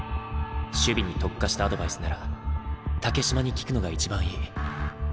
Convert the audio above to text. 守備に特化したアドバイスなら竹島に聞くのが一番いい。